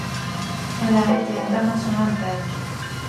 Elle a été internationale belge.